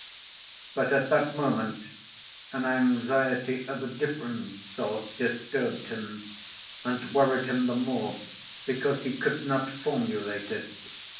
But at that moment an anxiety of a different sort disturbed him, and worried him the more because he could not formulate it.